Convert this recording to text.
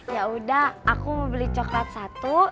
ya udah aku mau beli coklat satu